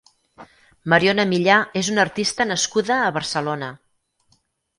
Mariona Millà és una artista nascuda a Barcelona.